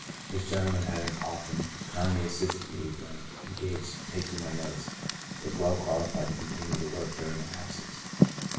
This gentle man having often kindly assisted me when engaged taking my notes, was well qualified to continue the work during my absence.